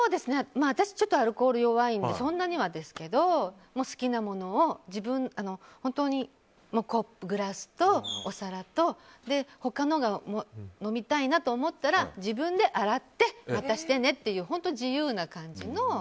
私ちょっとアルコール弱いのでそんなにはですけど好きなものを本当に、グラスとお皿と他のが飲みたいなと思ったら自分で洗ってねっていう本当に自由な感じの。